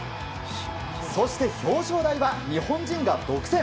そして、表彰台は日本人が独占。